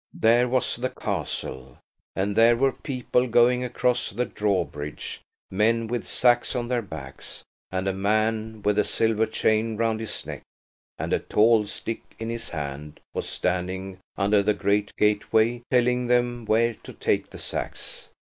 There was the castle, and there were people going across the drawbridge–men with sacks on their backs. And a man with a silver chain round his neck and a tall stick in his hand, was standing under the great gateway telling them where to take the sacks.